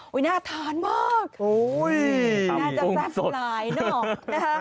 โอ้ยน่าทานมากโอ้ยน่าจะแป๊บหลายเนอะนะฮะ